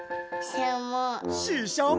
ししゃも。